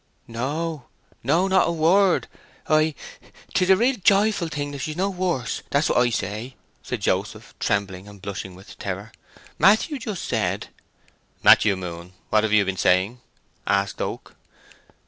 "No, no—not a word I—'tis a real joyful thing that she's no worse, that's what I say," said Joseph, trembling and blushing with terror. "Matthew just said—" "Matthew Moon, what have you been saying?" asked Oak.